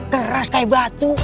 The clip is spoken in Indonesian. keras kayak batu